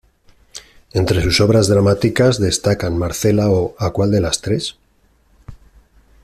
Entre sus obras dramáticas destacan "Marcela, o ¿a cuál de las tres?